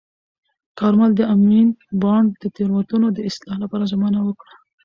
کارمل د امین بانډ د تېروتنو د اصلاح لپاره ژمنه وکړه.